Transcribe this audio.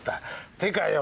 ってかよ